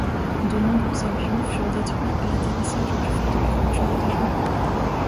De nombreux avions furent détruits à l'atterrissage du fait de la rupture des jambes.